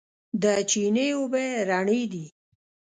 د چينې اوبه رڼې دي.